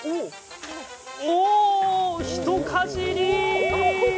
おお、ひとかじり！